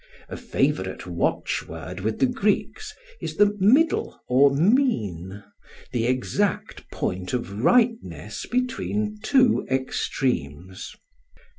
A favourite watch word with the Greeks is the "middle" or "mean", the exact point of rightness between two extremes.